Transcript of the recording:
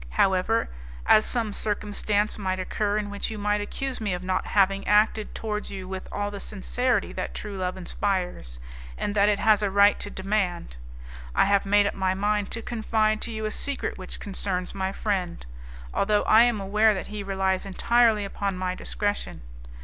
However, as some circumstance might occur in which you might accuse me of not having acted towards you with all the sincerity that true love inspires, and that it has a right to demand, I have made up my mind to confide to you a secret which concerns my friend, although I am aware that he relies entirely upon my discretion.